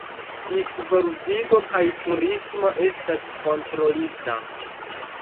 Disvolvigo kaj turismo estas kontrolita.